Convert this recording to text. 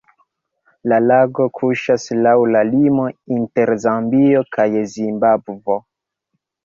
La lago kuŝas laŭ la limo inter Zambio kaj Zimbabvo.